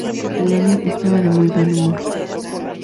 Lenin estaba de muy buen humor.